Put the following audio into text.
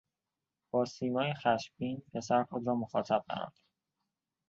با سیمایی خشمگین پسر خود را مخاطب قرار داد.